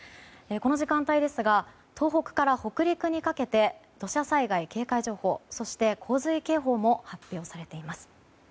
この時間帯ですが東北から北陸にかけて土砂災害警戒情報、そして洪水警報も発表されています。